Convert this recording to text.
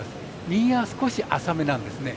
右が少し浅めなんですね。